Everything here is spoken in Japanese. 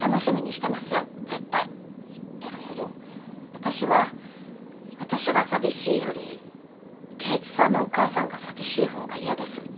私は私が寂しいより圭一さんのお母さんが寂しい方が嫌です。